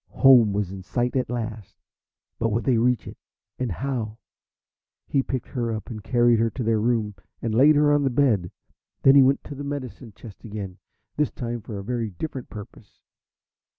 Home was in sight at last, but would they reach it and how? He picked her up and carried her to their room and laid her on the bed. Then he went to the medicine chest again, this time for a very different purpose.